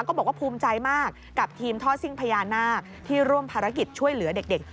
ก็บอกว่าภูมิใจมากกับทีมท่อซิ่งพญานาคที่ร่วมภารกิจช่วยเหลือเด็ก